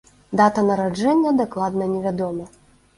Дата нараджэння дакладна не вядома.